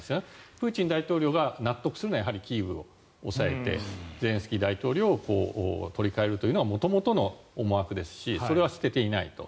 プーチン大統領が納得するのはキーウを押さえてゼレンスキー大統領を取り換えるというのは元々の思惑ですしそれは捨てていないと。